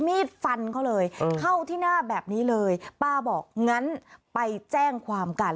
มีดฟันเขาเลยเข้าที่หน้าแบบนี้เลยป้าบอกงั้นไปแจ้งความกัน